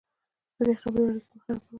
بدې خبرې اړیکې خرابوي